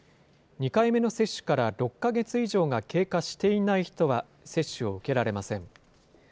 ２回目の接種から６か月以上が経過していない人は、接種を受けられません。